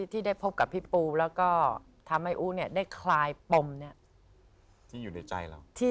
ที่ได้พบกับพี่ปูแล้วก็ทำให้อู่ได้คลายปมนี้